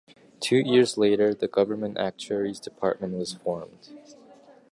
Two years later the Government Actuary's Department was formed.